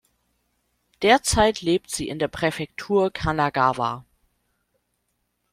Derzeit lebt sie in der Präfektur Kanagawa.